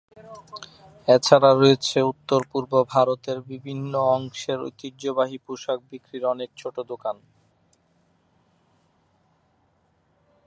এছাড়া রয়েছে উত্তর-পূর্ব ভারতের বিভিন্ন অংশের ঐতিহ্যবাহী পোশাক বিক্রির অনেক ছোট দোকান।